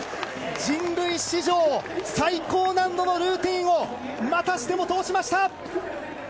人類史上最高難度のルーティンをまたしても通しました！